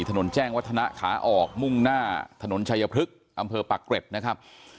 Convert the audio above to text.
ถนนแจ้งวัฒนะขาออกมุ่งหน้าถนนชายพฤกษ์อำเภอปักเกร็ดนะครับ